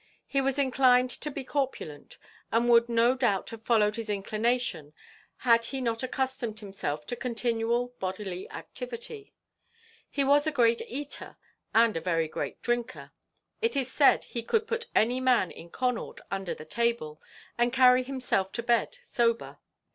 He was inclined to be corpulent, and would no doubt have followed his inclination had he not accustomed himself to continual bodily activity. He was a great eater, and a very great drinker; it is said he could put any man in Connaught under the table, and carry himself to bed sober.